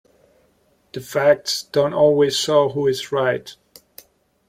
The facts don't always show who is right.